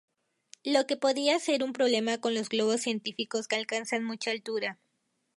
Lo que podía ser un problema con los globos científicos que alcanzan mucho altura.